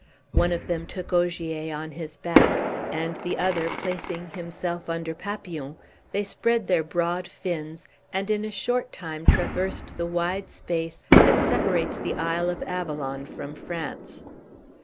One of them took Ogier on his back, and the other placing himself under Papillon, they spread their broad fins, and in a short time traversed the wide space that separates the isle of Avalon from France.